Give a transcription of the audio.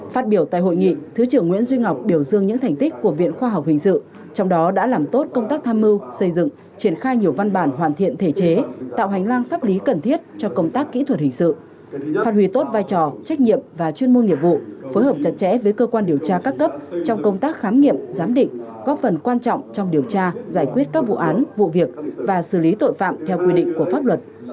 phát biểu tại hội nghị thứ trưởng nguyễn duy ngọc biểu dương những thành tích của viện khoa học hình sự trong đó đã làm tốt công tác tham mưu xây dựng triển khai nhiều văn bản hoàn thiện thể chế tạo hành lang pháp lý cần thiết cho công tác kỹ thuật hình sự phát huy tốt vai trò trách nhiệm và chuyên môn nghiệp vụ phối hợp chặt chẽ với cơ quan điều tra các cấp trong công tác khám nghiệm giám định góp phần quan trọng trong điều tra giải quyết các vụ án vụ việc và xử lý tội phạm theo quy định của pháp luật